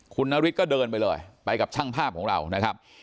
คุณนฤทธิก็เดินไปเลยไปกับช่างภาพของเรานะครับ